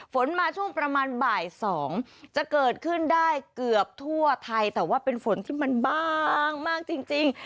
ฝนมาช่วงประมาณบ่าย๒จะเกิดขึ้นได้เกือบทั่วไทยแต่ว่าเป็นฝนที่มันบางมากจริง